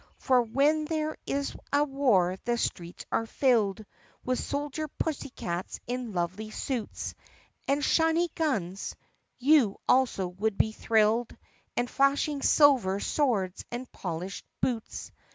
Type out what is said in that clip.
For when there is a war the streets are filled With soldier pussycats in lovely suits And shiny guns ( you also would be thrilled) And flashing silver swords and polished boots.